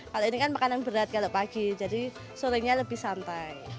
kalau ini kan makanan berat kalau pagi jadi sorenya lebih santai